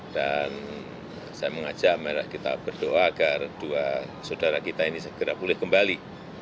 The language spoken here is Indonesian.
dan saya mengajak mereka kita berdoa agar dua saudara kita ini segera boleh kembali